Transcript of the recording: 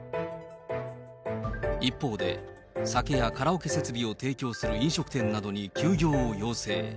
一方で、酒やカラオケ設備を提供する飲食店などに休業を要請。